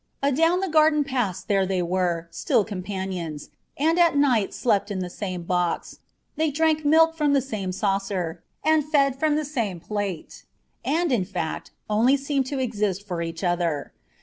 Adown the garden paths there they were, still companions; and at night slept in the same box; they drank milk from the same saucer, and fed from the same plate, and, in fact, only seemed to exist for each other.